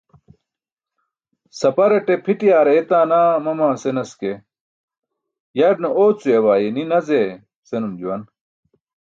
"sapare pʰiṭi̇ aar ayetaa naa mama" senas ke "yarne oocuyabaa ye ni nazee" senum juwan.